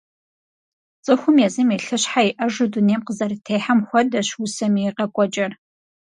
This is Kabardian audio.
ЦӀыхум езым и лъыщхьэ иӀэжу дунейм къызэрытехьэм хуэдэщ усэми и къэкӀуэкӀэр.